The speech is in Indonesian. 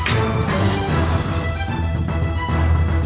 sekarang mess repika